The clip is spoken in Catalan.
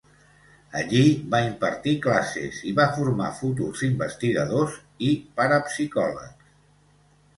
Allí va impartir classes i va formar futurs investigadors i parapsicòlegs.